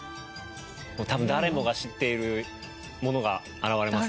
多分誰もが知っているものが現れます。